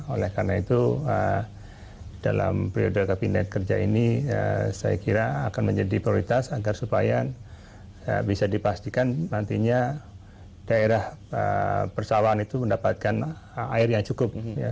oleh karena itu dalam periode kabinet kerja ini saya kira akan menjadi prioritas agar supaya bisa dipastikan nantinya daerah persawahan itu mendapatkan air yang cukup